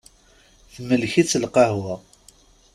Temlek-itt lqahwa.